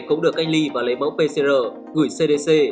cũng được cách ly và lấy mẫu pcr gửi cdc